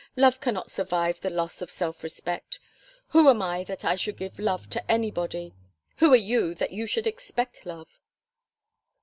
Love cannot survive the loss of self respect. Who am I that I should give love to anybody? Who are you that you should expect love?"